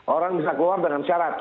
orang bisa keluar dengan syarat